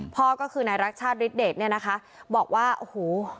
พ่อก็คือในรักชาติเนี้ยนะคะบอกว่าโอ้โห